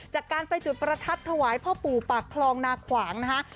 จากการไปจุดประทัดถวายพ่อปู่ปากคลองนาขวางนะคะ